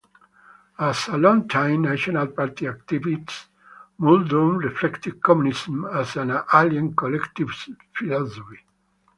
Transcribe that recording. As a long-time National Party activist, Muldoon rejected Communism as an 'alien' collectivist philosophy.